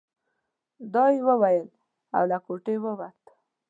دا يې وويل او له کوټې ووت.